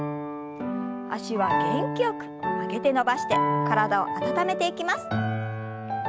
脚は元気よく曲げて伸ばして体を温めていきます。